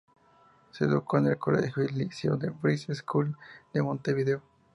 Se educó en el colegio y liceo "The British Schools" de Montevideo.